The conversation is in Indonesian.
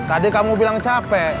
tadi kamu bilang capek